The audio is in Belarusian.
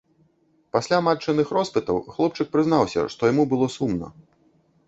Пасля матчыных роспытаў хлопчык прызнаўся, што яму было сумна.